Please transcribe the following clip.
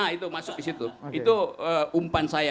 nah itu masuk ke situ itu umpan saya